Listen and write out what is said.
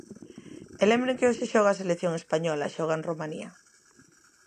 E lembren que hoxe xoga a selección española xoga en Romanía.